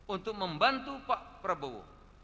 untuk membantu pak prabowo